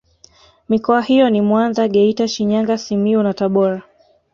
Mikoa hiyo ni Mwanza Geita Shinyanga Simiyu na Tabora